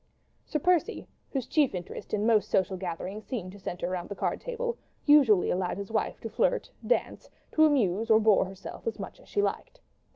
Sir Percy, whose chief interest in most social gatherings seemed to centre round the card table, usually allowed his wife to flirt, dance, to amuse or bore herself as much as she liked.